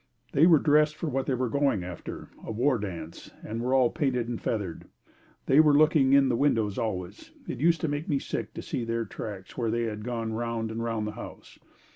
They were dressed for what they were going after, a war dance, and were all painted and feathered. They were looking in the windows always. It used to make me sick to see their tracks where they had gone round and round the house.